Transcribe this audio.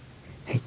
はい？